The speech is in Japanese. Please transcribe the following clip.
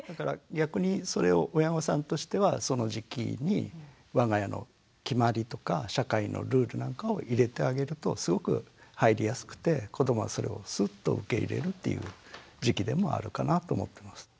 逆にそれを親御さんとしてはその時期にわが家の決まりとか社会のルールなんかを入れてあげるとすごく入りやすくて子どもはそれをスッと受け入れるっていう時期でもあるかなと思ってます。